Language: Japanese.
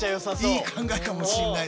いい考えかもしれない。